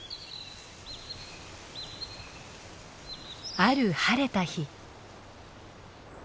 ある晴れた日。